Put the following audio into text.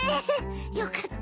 よかった。